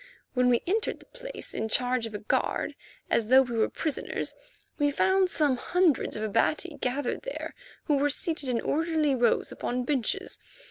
When we entered the place in charge of a guard, as though we were prisoners, we found some hundreds of Abati gathered there who were seated in orderly rows upon benches.